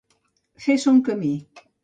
Fer son camí.